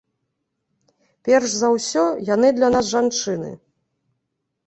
Перш за ўсё яны для нас жанчыны.